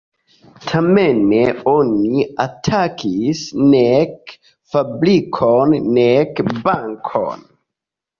Tamen oni atakis nek fabrikon nek bankon.